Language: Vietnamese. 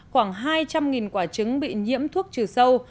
khoảng hai trăm linh quả trứng bị nhiễm thuốc trừ sâu